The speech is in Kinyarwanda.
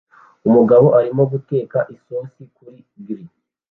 Umugabo arimo guteka isosi kuri grill